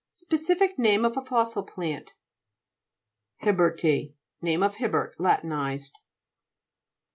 Specific name of a fossil plant (p. 53). HIBBERTI Name of Hibbert la tinized.